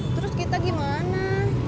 terus kita gimana